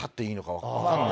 分かるよ。